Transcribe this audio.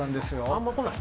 あんま来ない？